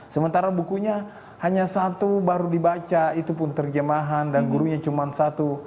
sementara bukunya hanya satu baru dibaca itu pun terjemahan dan gurunya cuma satu